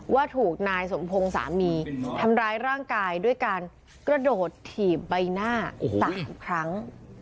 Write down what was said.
ว่าถูกนายสมพงศ์สามีทำร้ายร่างกายด้วยการกระโดดถีบใบหน้า๓ครั้ง